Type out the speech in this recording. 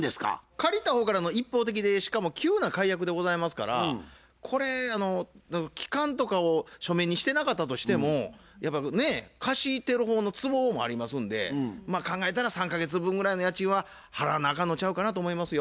借りた方からの一方的でしかも急な解約でございますからこれ期間とかを書面にしてなかったとしてもやっぱ貸してる方の都合もありますんでまあ考えたら３か月分ぐらいの家賃は払わなあかんのちゃうかなと思いますよ。